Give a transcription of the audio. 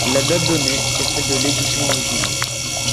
La date donnée est celle de l'édition originale.